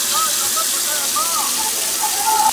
اسمان چي مځکي ته راځي قیامت به سینه!!..